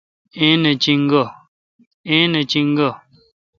ایں نہ چینگہ۔۔